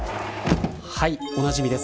おなじみです。